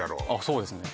そうですね